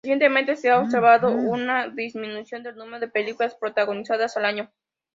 Recientemente se ha observado una disminución del número de películas protagonizadas al año.